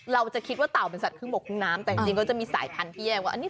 เราคิดว่าเป็นสัตว์ขึ้นหมดคุณน้ำแต่ยังที่มีสายพันธุ์